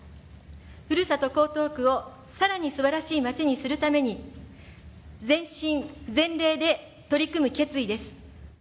ふるさと江東区をさらにすばらしい街にするために、全身全霊で取り組む決意です。